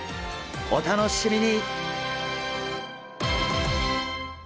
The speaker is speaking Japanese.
お楽しみに！